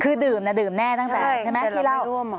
คือดื่มดื่มแน่ตั้งแต่ใช่ไหมที่เล่า